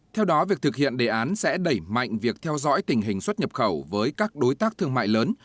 theo đó việc thực hiện đề án sẽ đẩy mạnh việc theo dõi tình hình xuất nhập khẩu với các đối tác thương mại lớn